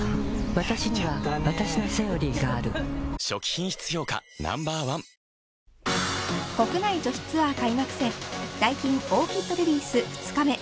わたしにはわたしの「セオリー」がある初期品質評価Ｎｏ．１国内女子ツアー開幕戦ダイキン・オーキッド・レディス２日目。